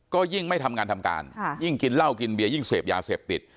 ก็ยิ่งไม่ทำงานทำการยิ่งกินเหล้ากินเบียยิ่งเสพยาเสพติด